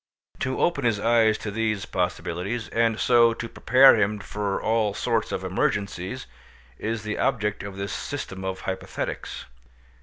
To open his eyes to these possibilities, and so to prepare him for all sorts of emergencies, is the object of this system of hypothetics.